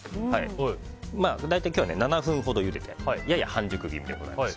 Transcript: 大体、今日は７分ほどゆでてやや半熟気味でございます。